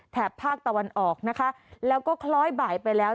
ภาคตะวันออกนะคะแล้วก็คล้อยบ่ายไปแล้ว